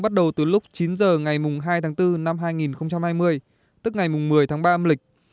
bắt đầu từ lúc chín h ngày hai tháng bốn năm hai nghìn hai mươi tức ngày một mươi tháng ba âm lịch